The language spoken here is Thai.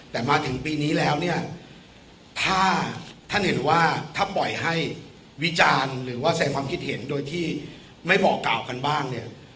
แต่มาถึงปีนี้แล้วถ้าท่านเห็นว่าปล่อยให้วิจารณ์หรือแสดงความคิดเห็นโดยที่ไม่บอกเก่ากับบ้าง